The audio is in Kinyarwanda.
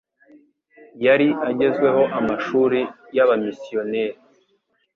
yari agezweho amashuri y'abamisiyoneri